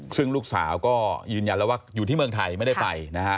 ซึ่งลูกสาวก็ยืนยันแล้วว่าอยู่ที่เมืองไทยไม่ได้ไปนะฮะ